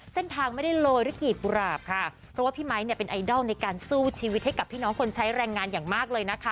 เส้นทางไม่ได้โรยด้วยกีบกุหลาบค่ะเพราะว่าพี่ไมค์เนี่ยเป็นไอดอลในการสู้ชีวิตให้กับพี่น้องคนใช้แรงงานอย่างมากเลยนะคะ